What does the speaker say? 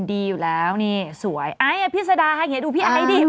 ดีอยู่แล้วนี่สวยไอ้พิษาดาทะเฮตดูพี่ไอ้ดิ